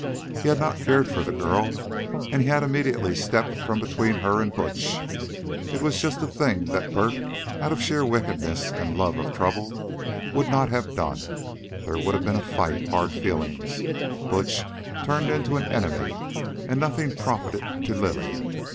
He had not cared for the girl, and he had immediately stepped from between her and Butch. It was just the thing that Bert, out of sheer wickedness and love of trouble, would not have done. There would have been a fight, hard feelings, Butch turned into an enemy, and nothing profited to Lily.